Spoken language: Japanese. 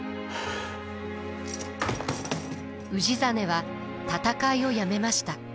氏真は戦いをやめました。